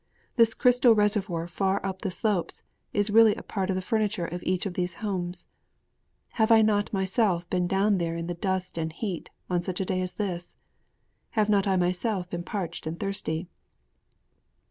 This crystal reservoir far up the slopes is really a part of the furniture of each of those homes. Have not I myself been down there in the dust and heat on such a day as this? Have not I myself been parched and thirsty?